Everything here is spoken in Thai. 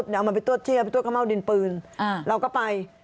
เดี๋ยวเอามันไปตรวจเชี่ยไปตรวจข้าวเม่าดินปืนอ่าเราก็ไป